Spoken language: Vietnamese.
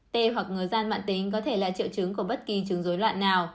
tê hoặc ngứa gian mạng tính có thể là triệu chứng của bất kỳ chứng dối loạn nào